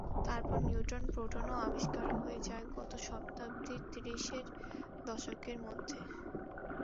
তারপর নিউট্রন-প্রোটনও আবিষ্কার হয়ে যায় গত শতাব্দীর ত্রিশের দশকের মধ্যে।